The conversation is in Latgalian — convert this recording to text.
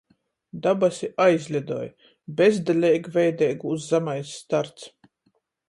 Dabasi aizlidoj. Bezdeleigveideigūs zamais starts.